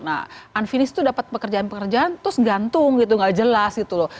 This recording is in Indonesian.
nah unfinice itu dapat pekerjaan pekerjaan terus gantung gitu gak jelas gitu loh